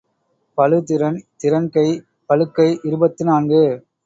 பளு திறன் திறன்கை பளுக்கை இருபத்து நான்கு.